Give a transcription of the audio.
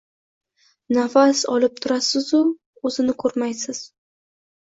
Nafas olib turasizu o‘zini ko‘rmaysiz.